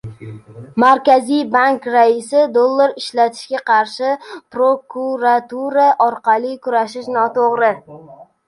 Markaziy bank raisi: "Dollar ishlatilishiga qarshi prokuratura orqali kurashish noto‘g‘ri..."